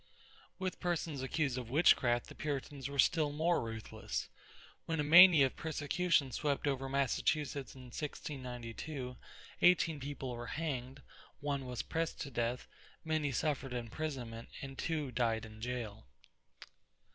With persons accused of witchcraft the Puritans were still more ruthless. When a mania of persecution swept over Massachusetts in 1692, eighteen people were hanged, one was pressed to death, many suffered imprisonment, and two died in jail.